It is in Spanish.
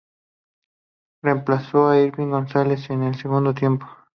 Reemplazó a Ervin González en el segundo tiempo.